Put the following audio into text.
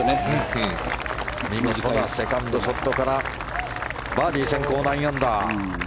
見事にセカンドショットからバーディー先行、９アンダー。